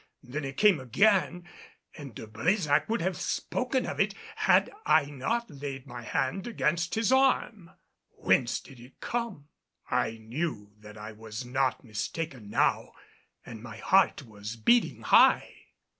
Then it came again, and De Brésac would have spoken of it had I not laid my hand against his arm. Whence did it come? I knew that I was not mistaken now, and my heart was beating high.